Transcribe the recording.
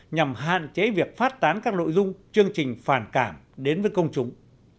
nhằm hạn chế việc phát tán các nội dung chương trình phản cảm đến với công chúng